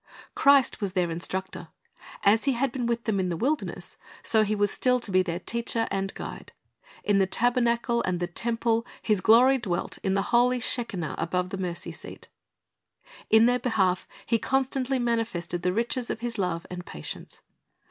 Christ was their instructor. As He had been with them in the wilderness, so He was still to be their teacher and guide. In the tabernacle and the temple His glory dwelt in the holy shekinah above the mercy seat. In their behalf He constantly manifested the riches of His love and patience.